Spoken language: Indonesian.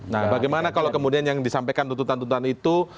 nah bagaimana kalau kemudian yang disampaikan tuntutan tuntutan itu